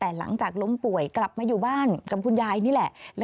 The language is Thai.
แต่หลังจากล้มป่วยกลับมาอยู่บ้านกับคุณยายนี่แหละ